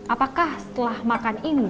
apakah setelah makan ini